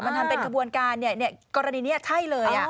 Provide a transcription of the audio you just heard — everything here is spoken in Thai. มันทำเป็นกระบวนการเนี่ยกรณีเนี่ยใช่เลย